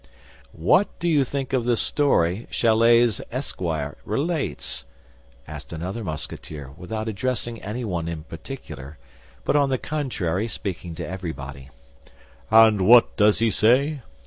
"What do you think of the story Chalais's esquire relates?" asked another Musketeer, without addressing anyone in particular, but on the contrary speaking to everybody. "And what does he say?"